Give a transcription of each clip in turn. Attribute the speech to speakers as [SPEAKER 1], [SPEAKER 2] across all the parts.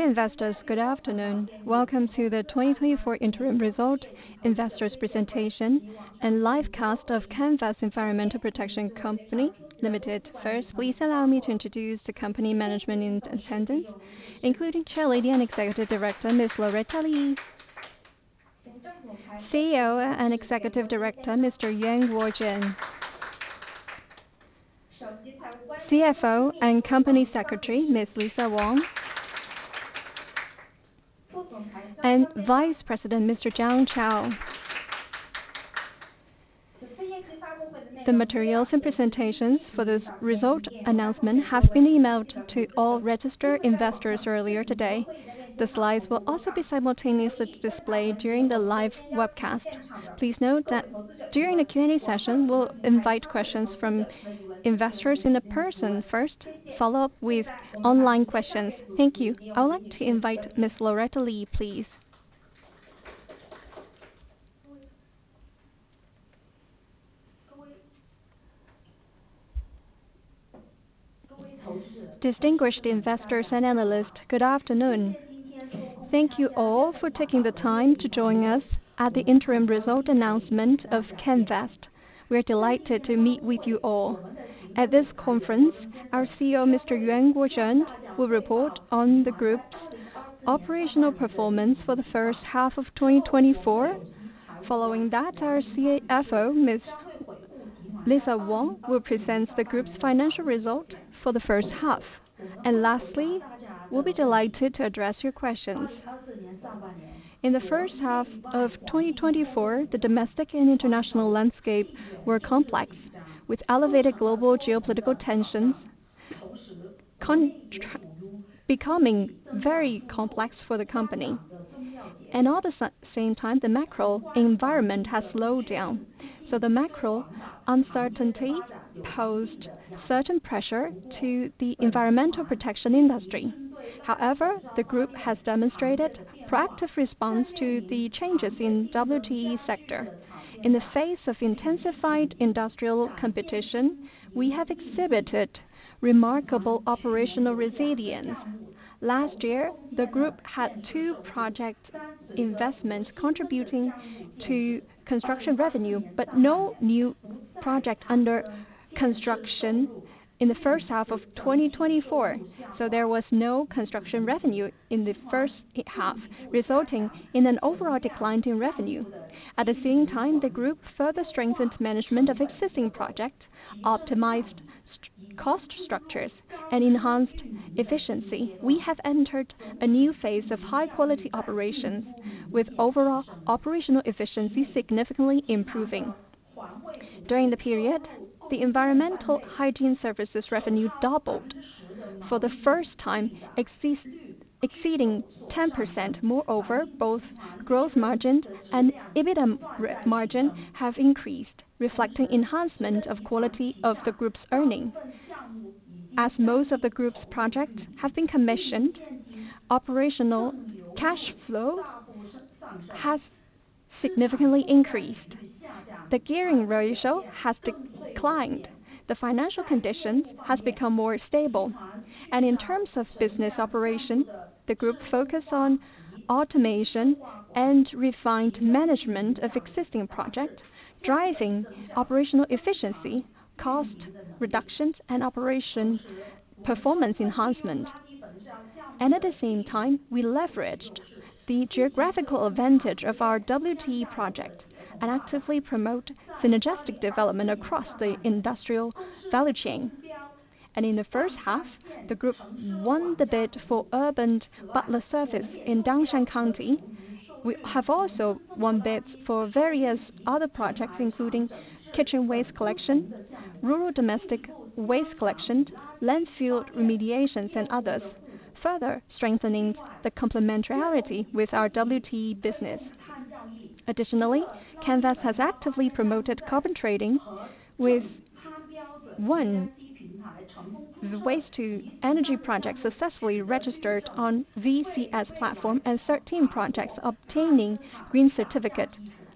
[SPEAKER 1] Dear investors, good afternoon. Welcome to the 2024 Interim Result Investors Presentation and Live Cast of Canvest Environmental Protection Company Limited. First, please allow me to introduce the company management in attendance, including Chairlady and Executive Director, Ms. Loretta Lee. CEO and Executive Director, Mr. Yuan Guozhen. CFO and Company Secretary, Ms. Ling Fong Wong. Vice President, Mr. Zhang Chao. The materials and presentations for this result announcement have been emailed to all registered investors earlier today. The slides will also be simultaneously displayed during the live webcast. Please note that during the Q&A session, we'll invite questions from investors in the person first, follow up with online questions. Thank you. I would like to invite Ms. Loretta Lee, please.
[SPEAKER 2] Distinguished investors and analysts, good afternoon. Thank you all for taking the time to join us at the Interim Result Announcement of Canvest. We are delighted to meet with you all. At this conference, our CEO, Mr. Yuan Guozhen, will report on the group's operational performance for the first half of 2024. Following that, our CFO, Ms. Ling Fong Wong, will present the group's financial result for the first half. Lastly, we'll be delighted to address your questions. In the first half of 2024, the domestic and international landscape were complex, with elevated global geopolitical tensions becoming very complex for the company. At the same time, the macro environment has slowed down. The macro uncertainty posed certain pressure to the environmental protection industry. However, the group has demonstrated proactive response to the changes in WTE sector. In the face of intensified industrial competition, we have exhibited remarkable operational resilience. Last year, the group had two project investments contributing to construction revenue, but no new project under construction in the first half of 2024. There was no construction revenue in the first half, resulting in an overall decline in revenue. At the same time, the group further strengthened management of existing projects, optimized cost structures and enhanced efficiency. We have entered a new phase of high quality operations with overall operational efficiency significantly improving. During the period, the environmental hygiene services revenue doubled for the first time, exceeding 10%. Moreover, both gross margin and EBITDA margin have increased, reflecting enhancement of quality of the group's earning. As most of the group's projects have been commissioned, operational cash flow has significantly increased. The gearing ratio has declined. The financial condition has become more stable. In terms of business operation, the group focus on automation and refined management of existing projects, driving operational efficiency, cost reductions and operation performance enhancement. At the same time, we leveraged the geographical advantage of our WTE project and actively promote synergistic development across the industrial value chain. In the first half, the group won the bid for Urban Butler Service in Dangshan County. We have also won bids for various other projects including kitchen waste collection, rural domestic waste collection, landfill remediations and others, further strengthening the complementarity with our WTE business. Additionally, Canvest has actively promoted carbon trading with one Waste-to-Energy project successfully registered on VCS platform and 13 projects obtaining green certificate,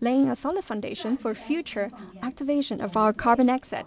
[SPEAKER 2] laying a solid foundation for future activation of our carbon asset.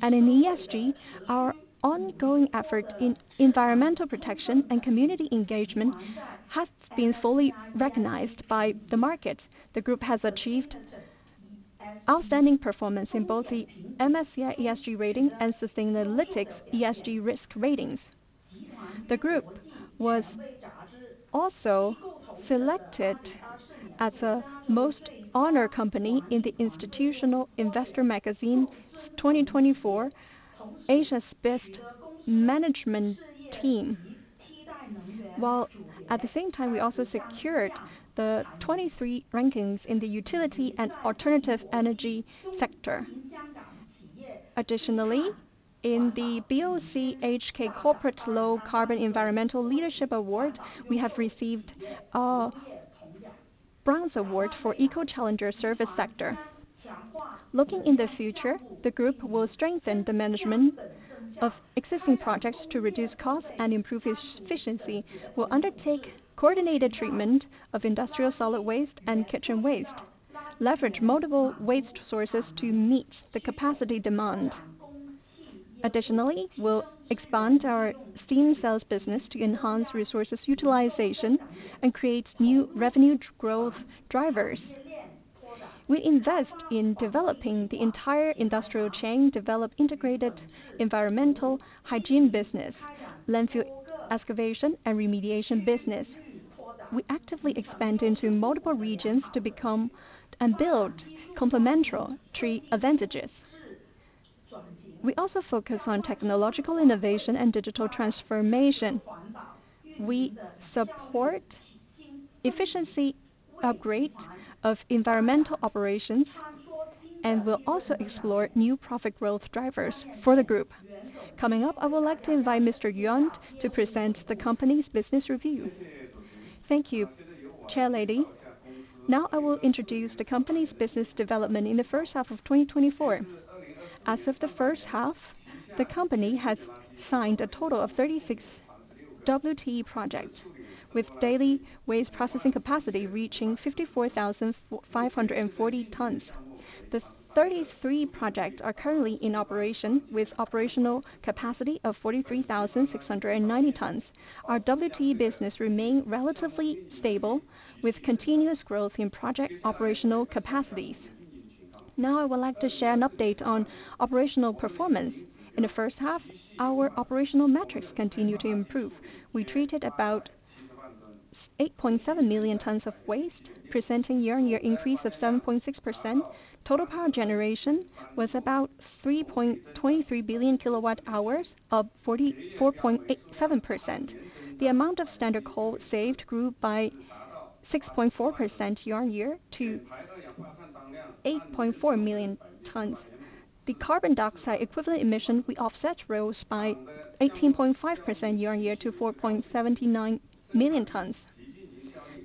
[SPEAKER 2] In ESG, our ongoing effort in environmental protection and community engagement has been fully recognized by the market. The group has achieved outstanding performance in both the MSCI ESG rating and Sustainalytics ESG risk ratings. The group was also selected as a most honor company in the Institutional Investor Magazine 2024 Asia's Best Management Team. At the same time, we also secured the 23 rankings in the Utility and Alternative Energy sector. In the BOCHK Corporate Low-Carbon Environmental Leadership Award, we have received a bronze award for Eco Challenger Service Sector. Looking in the future, the group will strengthen the management of existing projects to reduce cost and improve efficiency. We'll undertake coordinated treatment of industrial solid waste and kitchen waste, leverage multiple waste sources to meet the capacity demand. We'll expand our steam sales business to enhance resources utilization and create new revenue growth drivers. We invest in developing the entire industrial chain, develop integrated environmental hygiene business, landfill excavation and remediation business. We actively expand into multiple regions to become and build complementary advantages. We also focus on technological innovation and digital transformation. We support efficiency upgrade of environmental operations and we'll also explore new profit growth drivers for the group. Coming up, I would like to invite Mr. Yuan to present the company's business review.
[SPEAKER 3] Thank you, Chairlady. Now I will introduce the company's business development in the first half of 2024. As of the first half, the company has signed a total of 36 WTE projects, with daily waste processing capacity reaching 54,540 tons. The 33 projects are currently in operation, with operational capacity of 43,690 tons. Our WTE business remain relatively stable, with continuous growth in project operational capacities. Now, I would like to share an update on operational performance. In the first half, our operational metrics continued to improve. We treated about 8.7 million tons of waste, presenting year-on-year increase of 7.6%. Total power generation was about 3.23 billion kWh of 44.87%. The amount of standard coal saved grew by 6.4% year-on-year to 8.4 million tons. The carbon dioxide equivalent emission we offset rose by 18.5% year-on-year to 4.79 million tons.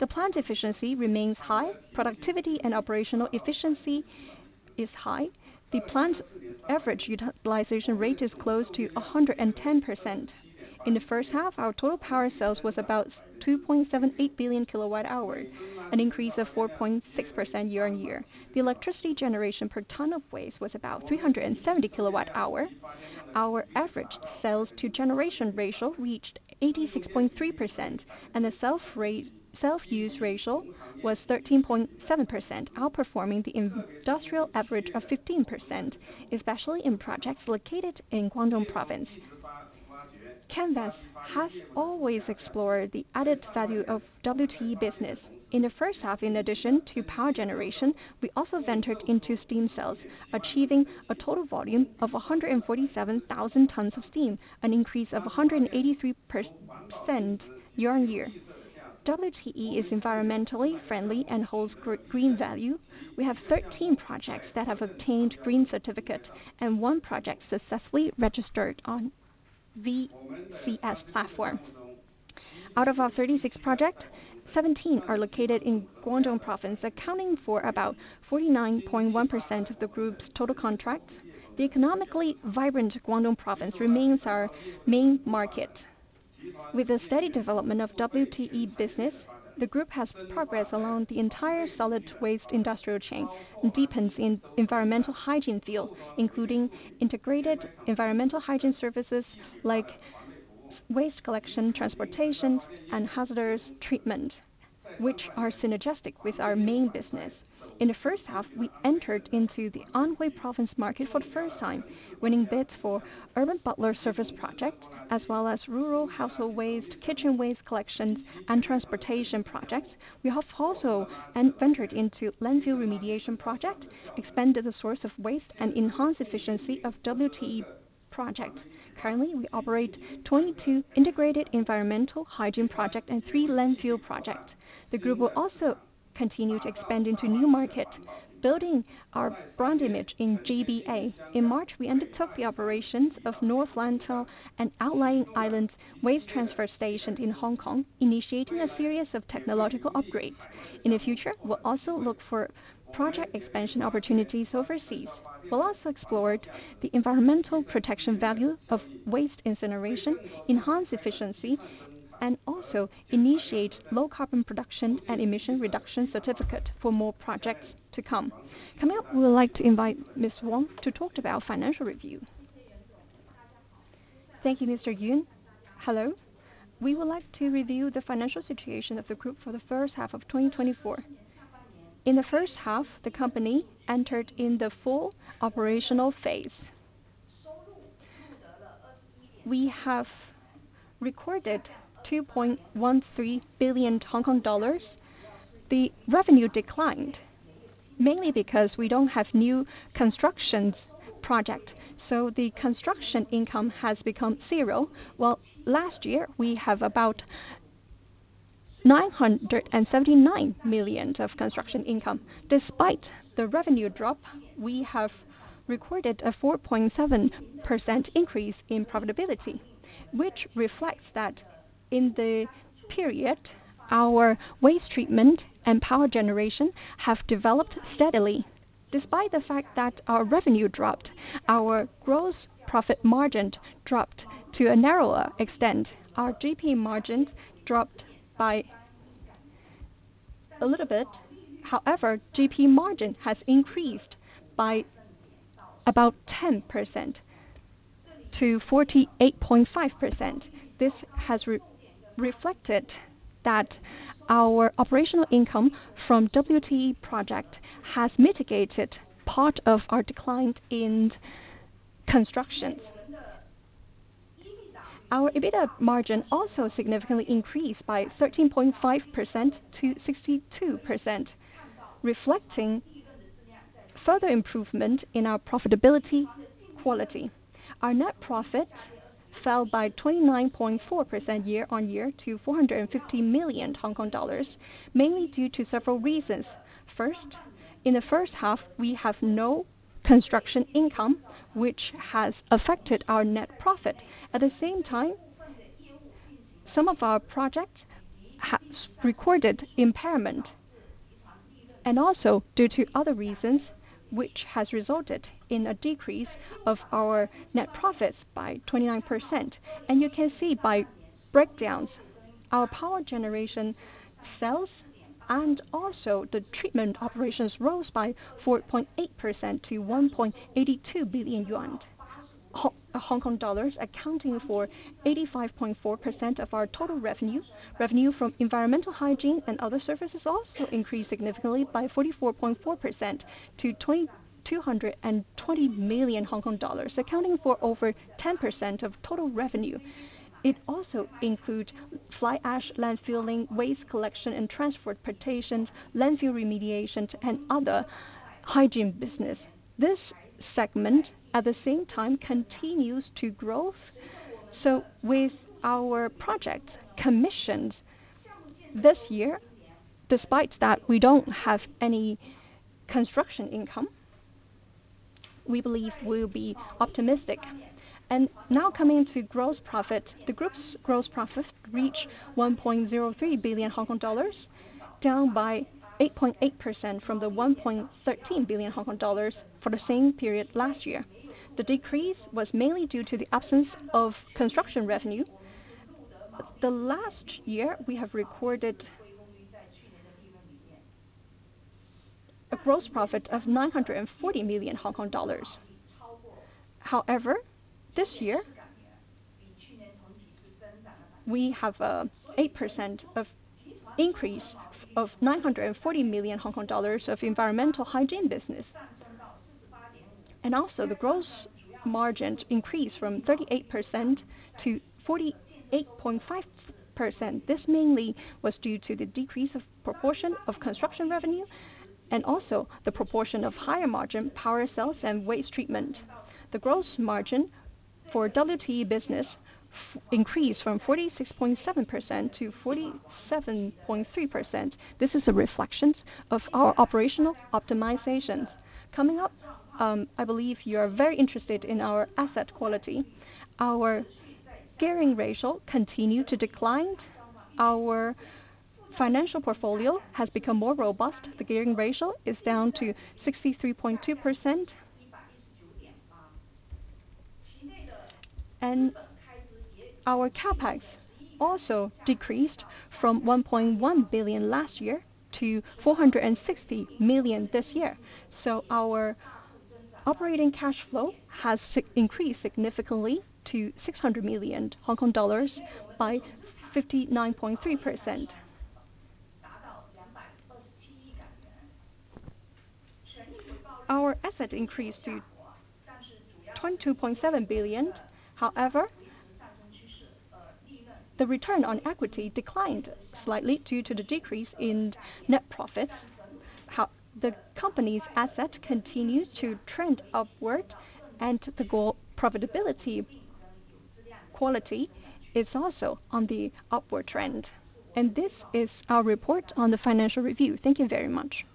[SPEAKER 3] The plant efficiency remains high. Productivity and operational efficiency is high. The plant average utilization rate is close to 110%. In the first half, our total power sales was about 2.78 billion kWh, an increase of 4.6% year-on-year. The electricity generation per ton of waste was about 370 kWh. Our average sales to generation ratio reached 86.3%, and the self-use ratio was 13.7%, outperforming the industrial average of 15%, especially in projects located in Guangdong Province. Canvest has always explored the added value of WTE business. In the first half, in addition to power generation, we also ventured into steam sales, achieving a total volume of 147,000 tons of steam, an increase of 183% year-on-year. WTE is environmentally friendly and holds green value. We have 13 projects that have obtained green certificate and one project successfully registered on VCS platform. Out of our 36 projects, 17 are located in Guangdong Province, accounting for about 49.1% of the group's total contracts. The economically vibrant Guangdong Province remains our main market. With the steady development of WTE business, the group has progressed along the entire solid waste industrial chain and deepens in environmental hygiene field, including integrated environmental hygiene services like waste collection, transportation, and hazardous treatment, which are synergistic with our main business. In the first half, we entered into the Anhui Province market for the first time, winning bids for Urban Butler Service project, as well as rural household waste, kitchen waste collections and transportation projects. We have also ventured into landfill remediation project, expanded the source of waste and enhanced efficiency of WTE projects. Currently, we operate 22 integrated environmental hygiene project and three landfill projects. The group will also continue to expand into new market, building our brand image in GBA. In March, we undertook the operations of North Lantau and Outlying Islands Waste Transfer Station in Hong Kong, initiating a series of technological upgrades. In the future, we'll also look for project expansion opportunities overseas. We'll also explored the environmental protection value of waste incineration, enhance efficiency, and also initiate low carbon production and emission reduction certificate for more projects to come. Coming up, we would like to invite Ms. Wong to talk about financial review.
[SPEAKER 4] Thank you, Mr. Yuan. Hello. We would like to review the financial situation of the group for the first half of 2024. In the first half, the company entered in the full operational phase. We have recorded 2.13 billion Hong Kong dollars. The revenue declined mainly because we don't have new constructions project, so the construction income has become zero. While last year we have about 979 million of construction income. Despite the revenue drop, we have recorded a 4.7% increase in profitability, which reflects that in the period, our waste treatment and power generation have developed steadily. Despite the fact that our revenue dropped, our gross profit margin dropped to a narrower extent. Our dropped by a little bit. GP margin has increased by about 10%-48.5%. This has re-reflected that our operational income from WT project has mitigated part of our decline in construction. Our EBITDA margin also significantly increased by 13.5%-62%, reflecting further improvement in our profitability quality. Our net profit fell by 29.4% year-on-year to HKD 450 million, mainly due to several reasons. First, in the first half we have no construction income, which has affected our net profit. At the same time, some of our projects has recorded impairment and also due to other reasons, which has resulted in a decrease of our net profits by 29%. You can see by breakdowns our power generation sales and also the treatment operations rose by 4.8% to HKD 1.82 billion, accounting for 85.4% of our total revenue. Revenue from environmental hygiene and other services also increased significantly by 44.4% to 2,220 million Hong Kong dollars, accounting for over 10% of total revenue. It also include fly ash, landfilling, waste collection and transportations, landfill remediations and other hygiene business. This segment at the same time continues to growth. With our project commissioned this year, despite that we don't have any construction income, we believe we'll be optimistic. Coming to gross profit. The group's gross profit reach 1.03 billion Hong Kong dollars, down by 8.8% from the 1.13 billion Hong Kong dollars for the same period last year. The decrease was mainly due to the absence of construction revenue. Last year we have recorded a gross profit of 940 million Hong Kong dollars. This year we have 8% of increase of 940 million Hong Kong dollars of environmental hygiene business. The gross margins increased from 38%-48.5%. This mainly was due to the decrease of proportion of construction revenue and also the proportion of higher margin power sales and waste treatment. The gross margin for WTE business increased from 46.7%-47.3%. This is a reflection of our operational optimization. Coming up, I believe you are very interested in our asset quality. Our gearing ratio continued to decline. Our financial portfolio has become more robust. The gearing ratio is down to 63.2%. Our CapEx also decreased from 1.1 billion last year to 460 million this year. Our operating cash flow has increased significantly to HKD 600 million by 59.3%. Our assets increased to HKD 22.7 billion. However, the return on equity declined slightly due to the decrease in net profit. The company's asset continues to trend upward and the gross profitability quality is also on the upward trend. This is our report on the financial review. Thank you very much.